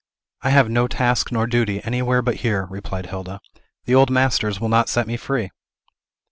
"I have no task nor duty anywhere but here," replied Hilda. "The old masters will not set me free!"